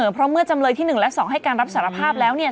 เพราะเมื่อจำเลยที่๑และ๒ให้การรับสารภาพแล้วเนี่ย